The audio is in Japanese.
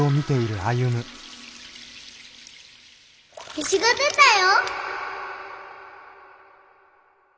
虹が出たよ！